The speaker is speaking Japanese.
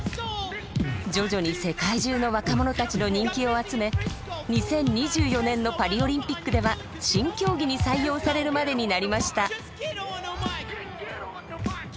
徐々に世界中の若者たちの人気を集め２０２４年のパリ・オリンピックでは新競技に採用されるまでになりました。